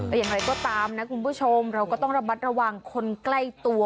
แต่อย่างไรก็ตามนะคุณผู้ชมเราก็ต้องระมัดระวังคนใกล้ตัว